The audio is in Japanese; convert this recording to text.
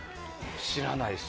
知らないです。